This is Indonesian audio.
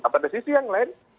pada sisi yang lain